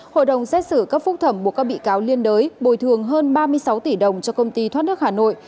hội đồng xét xử cấp phúc thẩm buộc các bị cáo liên đới bồi thường hơn ba mươi sáu tỷ đồng cho công ty thoát nước hà nội